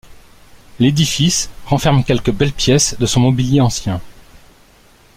L'édifice renferme quelques belles pièces de son mobilier ancien.